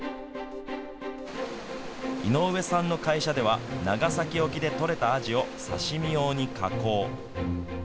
井上さんの会社では長崎沖で取れたあじを刺身用に加工。